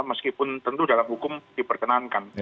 meskipun tentu dalam hukum diperkenankan